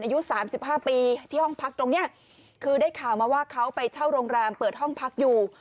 อายุ๓๕ปีที่ห้องพักตรงนี้คือได้ข่าวมาว่าเขาไปเช่าโรงแรมเปิดห้องพักอยู่